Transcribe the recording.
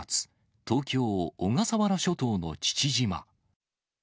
東京・小笠原諸島の父島。